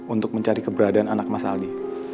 untuk mencari keberadaan anak mas aldi